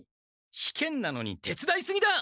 試験なのにてつだいすぎだ！